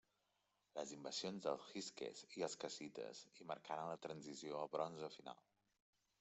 Les invasions dels hikses i els cassites hi marcaren la transició al bronze final.